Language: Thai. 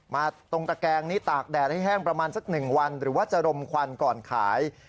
มาตรงตะแกงนี้ตากแดดให้แห้งประมาณสัก๑วันหรือว่าจะรมควันก่อนขาย